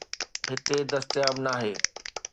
هتي دستياب ناهي.